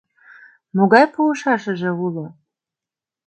Могай пуышашыже уло?